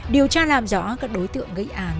điều tra làm rõ các đối tượng gây án